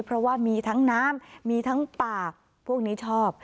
เพราะว่ามีทั้งน้ำมีทั้งปากพวกนี้ชอบ